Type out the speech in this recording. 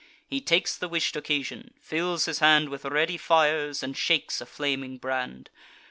He takes the wish'd occasion, fills his hand With ready fires, and shakes a flaming brand.